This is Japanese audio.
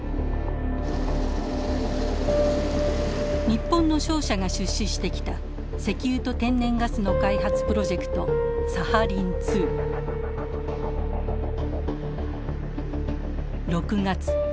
日本の商社が出資してきた石油と天然ガスの開発プロジェクトサハリン２。６月。